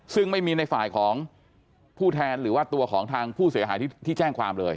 ซึ่งไม่มีในฝ่ายของผู้แทนหรือว่าตัวของทางผู้เสียหายที่แจ้งความเลย